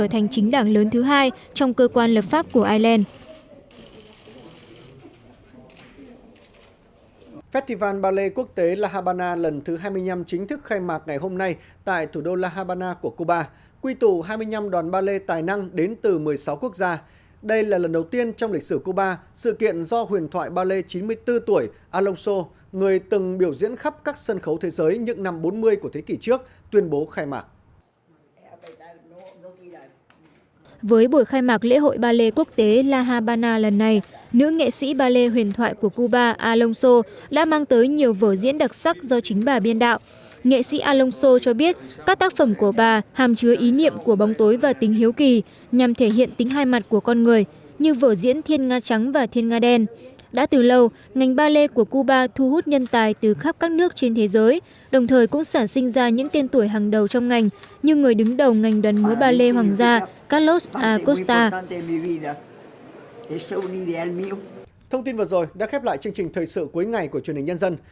thông tin vừa rồi đã khép lại chương trình thời sự cuối ngày của truyền hình nhân dân